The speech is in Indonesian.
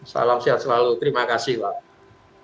salam sehat selalu terima kasih pak